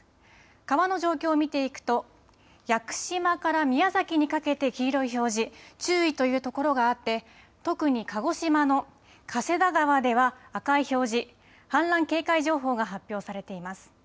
川の状況を見ていくと、屋久島から宮崎にかけて黄色い表示、注意という所があって、特に鹿児島の加世田川では赤い表示、氾濫警戒情報が発表されています。